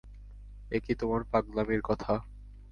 একি তোমার পাগলামির কথা!